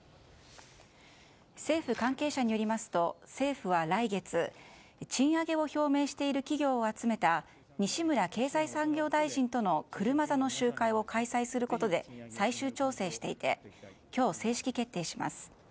政府関係者によりますと政府は来月賃上げを表明している企業を集めた西村経済産業大臣との車座の集会を開催することで最終調整していて今日、正式決定します。